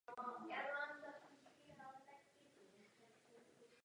Viz analytická množina.